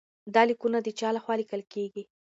دا لیکونه د چا لخوا لیکل کیږي؟